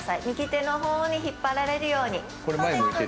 右手の方に引っ張られるように。